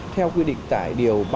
theo quy định tài điều